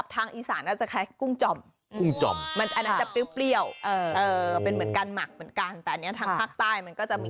ติดต่อท่าจอเลยนะคุณผู้ชม